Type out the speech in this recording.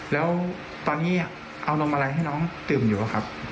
แล้วตอนนี้เอานมอะไรให้น้องดื่มอยู่ครับ